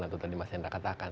atau tadi mas hendra katakan